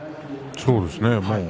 そうですね。